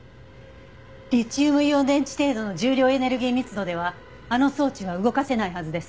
リチウムイオン電池程度の重量エネルギー密度ではあの装置は動かせないはずです。